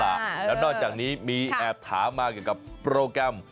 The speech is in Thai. แล้วนอกจากนี้มีแอบถามมาเกี่ยวกับโปรแกรม